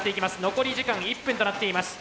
残り時間１分となっています。